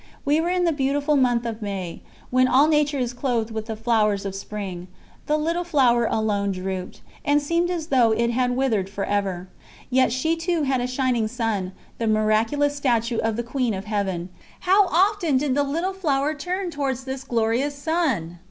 We were in the beautiful month of May, when all nature is clothed with the flowers of spring; the Little Flower alone drooped, and seemed as though it had withered for ever. Yet she too had a shining sun, the miraculous statue of the Queen of Heaven. How often did not the Little Flower turn towards this glorious Sun!